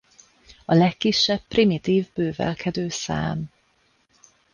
A legkisebb primitív bővelkedő szám.